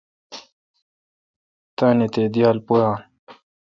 تانی تے°دیال پویان۔